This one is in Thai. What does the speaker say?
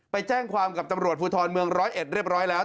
ไปแจ้งความกับตำรวจภูทรเมืองร้อยเอ็ดเรียบร้อยแล้ว